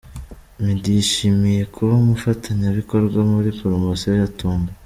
Meddy yishimiye kuba umufatanyabikorwa muri poromosiyo ya Tunga.